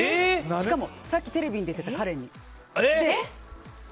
しかもさっきテレビに出てた彼に。